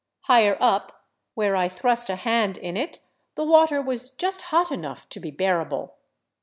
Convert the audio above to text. Higher up, where I thrust a hand in it, the water was just hot enough to be bearable.